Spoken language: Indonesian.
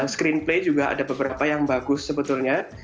screenplay juga ada beberapa yang bagus sebetulnya